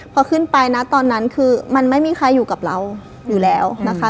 พอขึ้นไปนะตอนนั้นคือมันไม่มีใครอยู่กับเราอยู่แล้วนะคะ